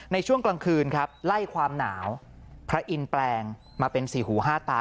ในช่วงกลางคืนครับไล่ความหนาวพระอินแปลงมาเป็นสี่หูห้าตา